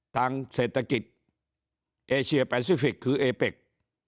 ทางเศรษฐกิจเอเชียแปซิฟิกคือเอเป็ก